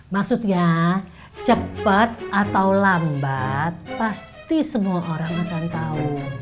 maksudnya cepet atau lambat pasti semua orang akan tau